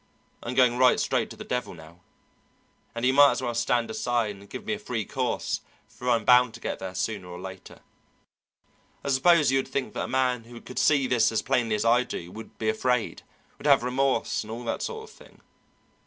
I'm going right straight to the devil now, and you might as well stand aside and give me a free course, for I'm bound to get there sooner or later. I suppose you would think that a man who could see this as plainly as I do would be afraid, would have remorse and all that sort of thing.